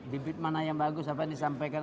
bibit mana yang bagus apa yang disampaikan